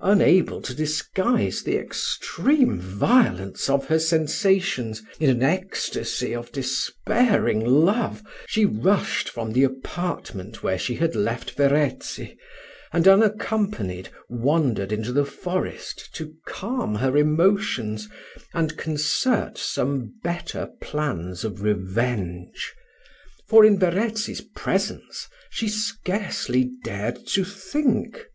Unable to disguise the extreme violence of her sensations, in an ecstasy of despairing love, she rushed from the apartment, where she had left Verezzi, and, unaccompanied, wandered into the forest, to calm her emotions, and concert some better plans of revenge; for, in Verezzi's presence, she scarcely dared to think.